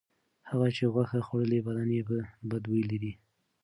هغه چې غوښه خوړلې بدن یې بد بوی لري.